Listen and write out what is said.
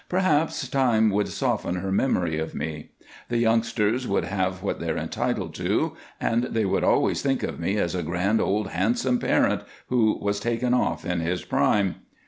"Perhaps time would soften her memory of me. The youngsters would have what they're entitled to, and they would always think of me as a grand, good, handsome parent who was taken off in his prime."